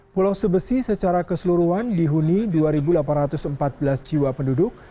pulau sebesi secara keseluruhan dihuni dua delapan ratus empat belas jiwa penduduk